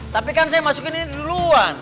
tapi kan saya masukin ini duluan